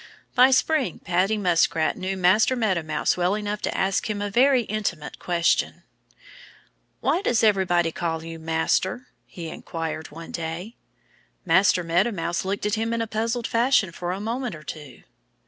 By spring Paddy Muskrat knew Master Meadow Mouse well enough to ask him a very intimate question. "Why does everybody call you 'Master'?" he inquired one day. Master Meadow Mouse looked at him in a puzzled fashion for a moment or two.